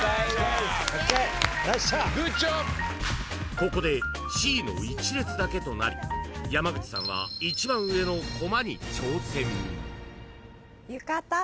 ［ここでＣの一列だけとなり山口さんは一番上のコマに挑戦］